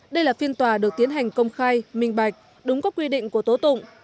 đây là phiên tòa được tiến hành công khai minh bạch đúng các quy định của tố tụng